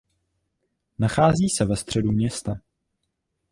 Nachází se ve středu města.